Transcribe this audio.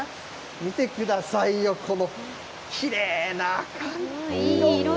見てくださいよ、この、きれいな色。